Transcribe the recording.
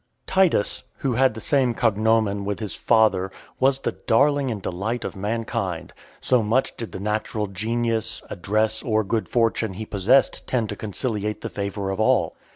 Titus, who had the same cognomen with his father, was the darling and delight of mankind; so much did the natural genius, address, or good fortune he possessed tend to conciliate the favour of all.